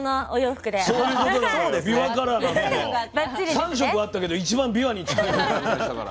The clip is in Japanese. ３色あったけど一番びわに近いの選びましたから。